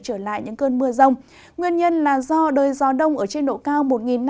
trở lại những cơn mưa rông nguyên nhân là do đời gió đông ở trên độ cao